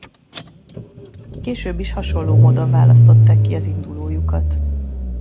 Később is hasonló módon választották ki az indulójukat.